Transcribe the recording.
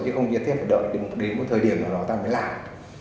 chứ không cần phải đợi đến một thời điểm nào đó ta mới làm